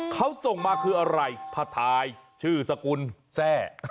เขาส่งมาคืออะไรผ้าทายชื่อสกุลแซ่